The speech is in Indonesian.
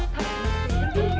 udah gini gini